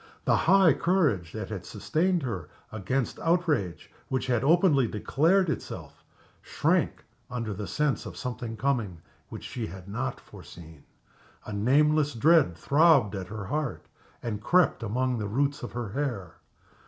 The high courage that had sustained her against outrage which had openly declared itself shrank under the sense of something coming which she had not foreseen. A nameless dread throbbed at her heart and crept among the roots of her hair.